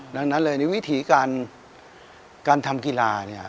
ดังนั้นเลยในวิถีการทำกีฬา